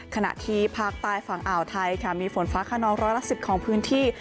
ขณะที่ภาคใต้ฝั่งอ่าวไทยค่ะมีฝนฟ้าขนองร้อยละ๑๐ของพื้นที่